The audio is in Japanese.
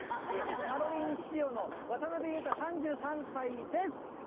ハロウィーン仕様の渡辺裕太、３３歳です。